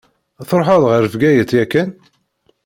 Tṛuḥeḍ ɣer Bgayet yakan?